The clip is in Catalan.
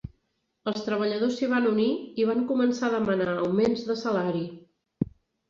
Els treballadors s'hi van unir, i van començar a demanar augments de salari.